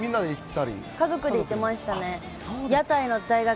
家族で行ってましたね。